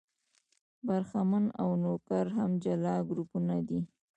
برهمن او نوکر هم جلا ګروپونه دي.